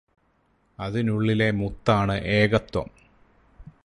അതിനുള്ളിലെ മുത്താണ് ഏകത്വം